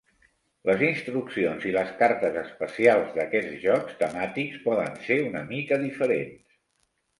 Les instruccions i les cartes especials d'aquests jocs temàtics poden ser una mica diferents.